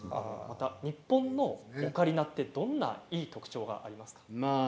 日本のオカリナはどんないい特徴がありますか。